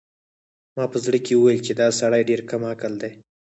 ما په زړه کې وویل چې دا سړی ډېر کم عقل دی.